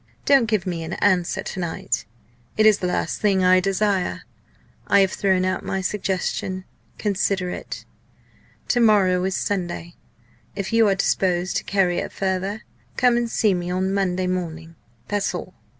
Don't give me an answer to night; it is the last thing I desire. I have thrown out my suggestion. Consider it. To morrow is Sunday. If you are disposed to carry it further, come and see me Monday morning that's all.